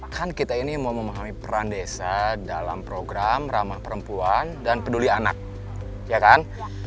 kan kita ini mau memahami peran desa dalam program ramah perempuan dan peduli anak ya kan